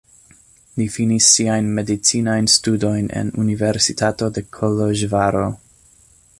Li finis siajn medicinajn studojn en Universitato de Koloĵvaro.